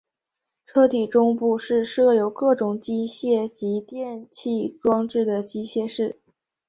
车体中部是设有各种机械及电气装置的机械室。